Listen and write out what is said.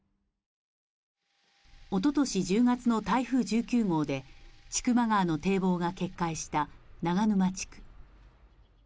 おととし１０月の台風１９号で千曲川の堤防が決壊した長沼地区